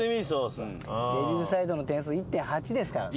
レビューサイトの点数１．８ですからね。